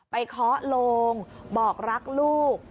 เคาะโลงบอกรักลูก